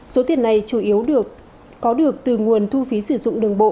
số tiền này chủ yếu được có được từ nguồn thu phí sử dụng đường bộ